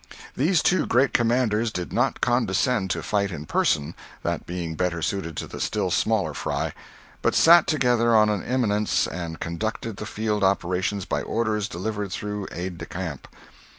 These two great commanders did not condescend to fight in person—that being better suited to the still smaller fry—but sat together on an eminence and conducted the field operations by orders delivered through aides de camp.